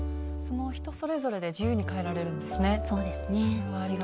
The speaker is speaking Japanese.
人それぞれで自由にかえられるんですね。